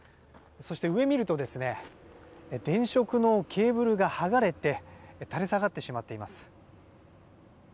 そして、上を見ると電飾のケーブルが剥がれて垂れ下がってしまっています。